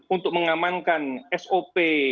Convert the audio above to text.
untuk mengamankan sop